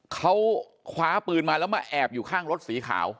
เขาคว้าปืนมาแล้วมาแอบอยู่ข้างรถสีขาว